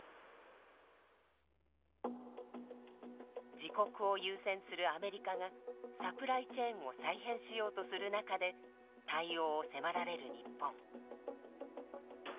自国を優先するアメリカがサプライチェーンを再編しようとする中で対応を迫られる日本。